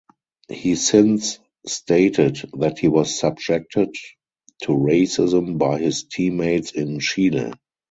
He since stated that he was subjected to racism by his teammates in Chile.